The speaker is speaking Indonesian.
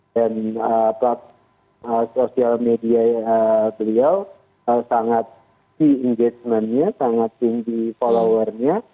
dan plot sosial media beliau sangat key engagementnya sangat tinggi followernya